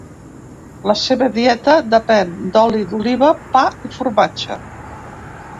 La seva dieta depèn d’oli d’oliva, pa i formatge.